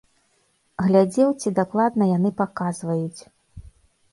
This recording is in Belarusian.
Глядзеў, ці дакладна яны паказваюць.